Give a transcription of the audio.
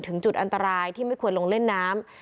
ถึงจุดอันตรายที่ไม่ควรลงเล่นน้ำ